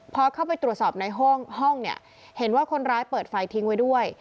พอเข้าไปตรวจสอบในห้องเนี่ยเห็นว่าคนร้ายเปิดไฟทิ้งไว้ด้วย